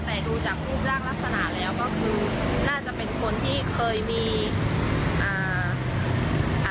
แต่ดูจากรูปร่างลักษณะแล้วก็คือน่าจะเป็นคนที่เคยมีอ่า